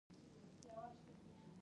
چې دا دوه ورځې مينه نه ده راغلې.